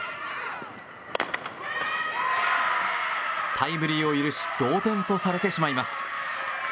タイムリーを許し同点とされてしまいます。